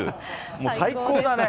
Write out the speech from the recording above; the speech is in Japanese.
もう最高だね。